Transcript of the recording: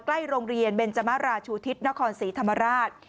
ใกล้โรงเรียนเบนจมราชูทิศนครศรีธรรมราช